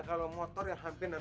sekarang tempat untuk berhenti siap